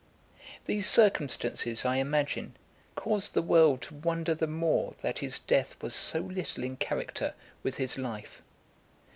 These circumstances, I imagine, caused the world to wonder the more that his death was so little in character with his life.